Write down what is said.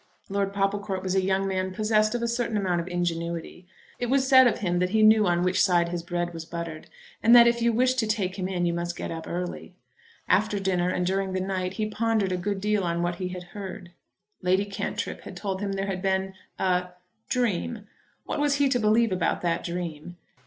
Lord Popplecourt was a young man possessed of a certain amount of ingenuity. It was said of him that he knew on which side his bread was buttered, and that if you wished to take him in you must get up early. After dinner and during the night he pondered a good deal on what he had heard. Lady Cantrip had told him there had been a dream. What was he to believe about that dream?